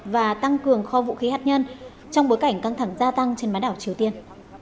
và tăng cường kho vũ khí hạt nhân trong bối cảnh căng thẳng gia tăng trên bán đảo triều tiên